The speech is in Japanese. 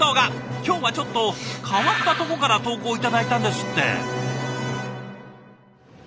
今日はちょっと変わったとこから投稿頂いたんですって。